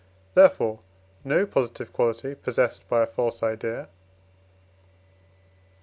Therefore, no positive quality possessed by a false idea, &c.